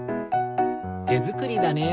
てづくりだね。